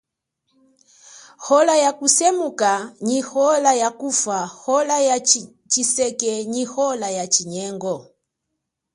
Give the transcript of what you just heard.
Ola ya kusemuka nyi ola ya kufa ola ya chiseke nyi ola ya tshinyengo.